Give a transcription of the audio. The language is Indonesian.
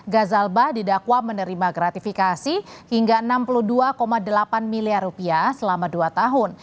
gazalba didakwa menerima gratifikasi hingga rp enam puluh dua delapan miliar selama dua tahun